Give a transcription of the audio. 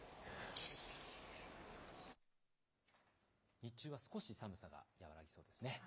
日中は少し寒さが和らぎそうですね。